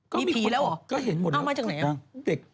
ก็เห็นหมดแล้ว